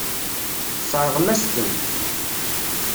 Tesseṛɣem-as-ten.